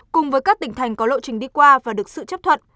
cùng với các tỉnh thành có lộ trình đi qua và được sự chấp thuận